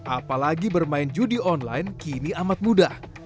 apalagi bermain judi online kini amat mudah